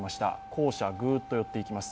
校舎にグッと寄っていきます。